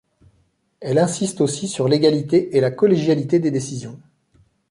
Elle insiste aussi sur l’égalité et la collégialité des décisions.